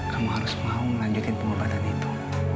kamu harus mau melanjutkan pengobatan itu